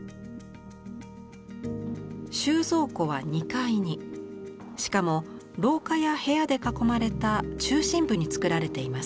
収蔵庫は２階にしかも廊下や部屋で囲まれた中心部に造られています。